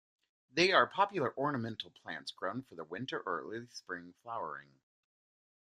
They are popular ornamental plants grown for their winter or early spring flowering.